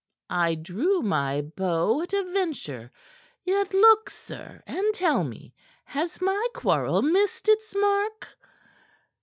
I drew my bow at a venture; yet look, sir, and tell me, has my quarrel missed its mark?"